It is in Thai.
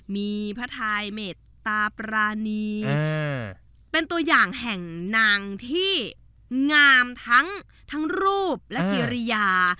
มีพระทายเม็ดตาปรานีเป็นตัวอย่างแห่งนางที่งามทั้งรูปและกิริยา